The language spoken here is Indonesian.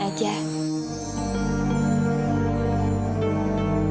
tapi edo tidak tahu